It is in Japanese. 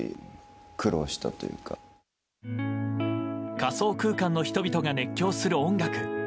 仮想空間の人々が熱狂する音楽。